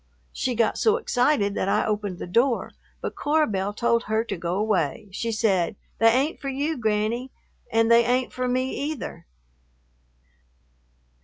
She got so excited that I opened the door, but Cora Belle told her to go away. She said, "They ain't for you, Granny, and they ain't for me either."